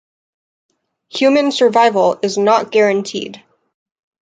Human survival is not guaranteed.